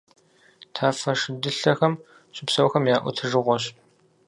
Тафэ шэдылъэхэм щыпсэухэм я ӀутӀыжыгъуэщ.